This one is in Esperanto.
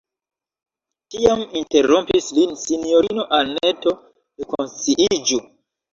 Tiam interrompis lin sinjorino Anneto: rekonsciiĝu!